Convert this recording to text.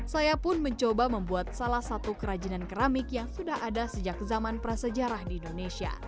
saya pun mencoba membuat salah satu kerajinan keramik yang sudah ada sejak zaman prasejarah di indonesia